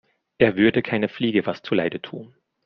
Er würde keiner Fliege was zu Leide tun.